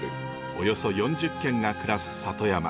およそ４０軒が暮らす里山。